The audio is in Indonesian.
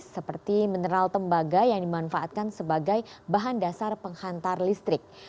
seperti mineral tembaga yang dimanfaatkan sebagai bahan dasar penghantar listrik